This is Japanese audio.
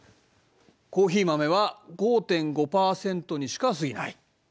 コーヒー豆は５．５％にしかすぎない。